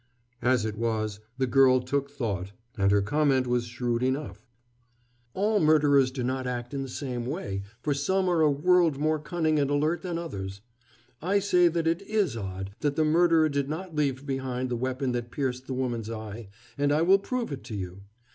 As it was, the girl took thought, and her comment was shrewd enough: "All murderers do not act in the same way, for some are a world more cunning and alert than others. I say that it is odd that the murderer did not leave behind the weapon that pierced the woman's eye, and I will prove it to you.